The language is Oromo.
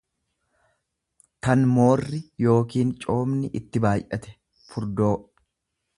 tan moorri yookiin coomni itti baay'ate, furdoo.